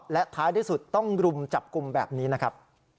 และท้ายที่สุดต้องรุมจับกลุ่มแบบนี้นะครับ